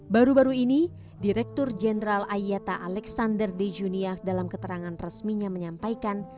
baru baru ini direktur jenderal ayatah alexander dejunia dalam keterangan resminya menyampaikan